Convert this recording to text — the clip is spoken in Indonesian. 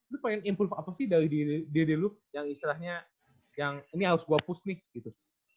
lu pengen improve apa sih dari look yang istilahnya yang ini harus gue push nih gitu